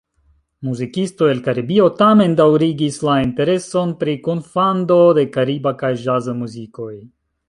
Muzikistoj el Karibio tamen daŭrigis la intereson pri kunfando de kariba kaj ĵaza muzikoj.